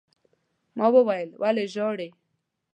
ما وويل: ولې ژاړې؟